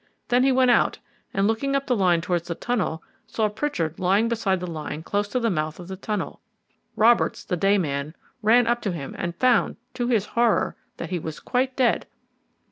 Then he went out, and, looking up the line towards the tunnel, saw Pritchard lying beside the line close to the mouth of the tunnel. Roberts, the day man, ran up to him and found, to his horror, that he was quite dead.